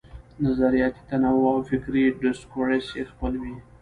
نظریاتي تنوع او فکري ډسکورس یې خپل وي.